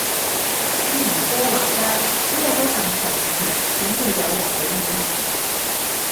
咪咪姐話齋，咩都咁隨便，點會有人俾面